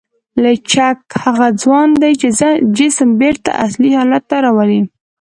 لچک هغه ځواک دی چې جسم بېرته اصلي حالت ته راولي.